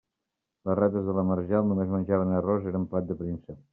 Les rates de la marjal només menjaven arròs; eren plat de príncep.